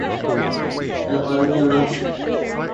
He is the founder of InterCommerce Corporation.